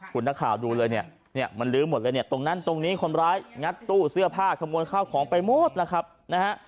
คุณนักข่าวดูเลยเนี่ยมันลื้อหมดเลยเนี่ยตรงนั้นตรงนี้คนร้ายงัดตู้เสื้อผ้าขโมยข้าวของไปหมดนะครับนะฮะ